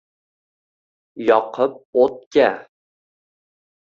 Yoqib o’tga